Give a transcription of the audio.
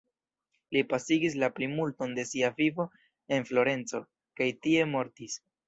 Li pasigis la plimulton de sia vivo en Florenco, kaj tie mortis.